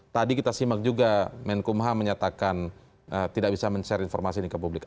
tadi kita simak juga menkumham menyatakan tidak bisa men share informasi ini ke publik